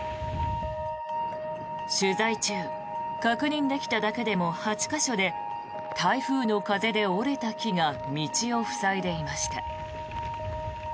取材中確認できただけでも８か所で台風の風で折れた木が道を塞いでいました。